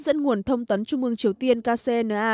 dẫn nguồn thông tấn trung ương triều tiên kcna